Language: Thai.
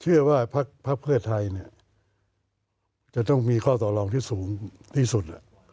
เชื่อว่าพระเพื่อไทยจะต้องมีข้อตลองที่สูงที่สุด